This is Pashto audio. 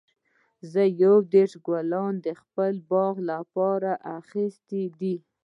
زه یو دیرش ګلونه د خپل باغ لپاره اخیستي دي.